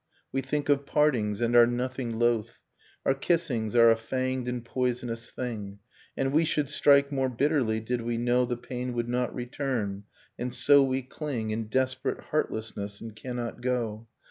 We think of partings and are nothing loth, Our kissings are a fanged and poisonous thing; And we should strike more bitterly, did we know The pain would not return ; and so we cling In desperate heartlessness, and cannot go